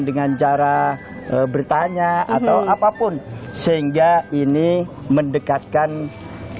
terima kasih tu pakri